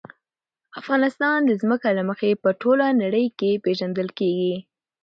افغانستان د ځمکه له مخې په ټوله نړۍ کې پېژندل کېږي.